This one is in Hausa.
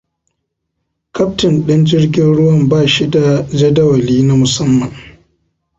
Kaftin din jirgin ruwan bashi da jadawali na musamman.